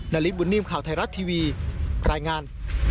นาริสบุญนิ่มข่าวไทยรัฐทีวีรายงาน